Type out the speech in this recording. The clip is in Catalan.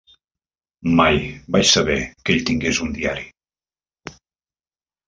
Mai vaig saber que ell tingués un diari.